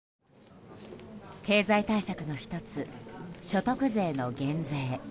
経済対策の１つ所得税の減税。